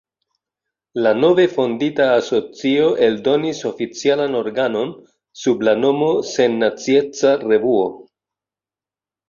La nove fondita asocio eldonis oficialan organon, sub la nomo "Sennacieca Revuo".